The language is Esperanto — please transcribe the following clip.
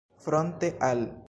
fronte al